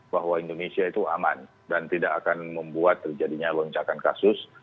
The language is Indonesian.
bahwa indonesia itu aman dan tidak akan membuat terjadinya lonjakan kasus